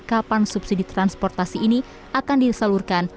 kapan subsidi transportasi ini akan disalurkan